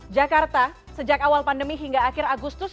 jakarta sejak awal pandemi hingga akhir agustus